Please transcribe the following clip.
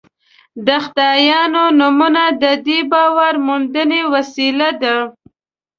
د خدایانو نومونه د دې باور موندنې وسیله ده.